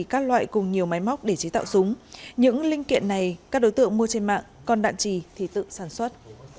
các loại cùng nhiều máy móc để chế tạo súng những linh kiện này các đối tượng mua trên mạng còn đạn trì thì tự sản xuất